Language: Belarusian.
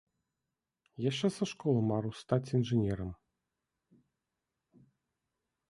Яшчэ са школы марыў стаць інжынерам.